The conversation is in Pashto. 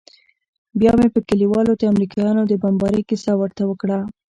بيا مې پر کليوالو د امريکايانو د بمبارۍ کيسه ورته وکړه.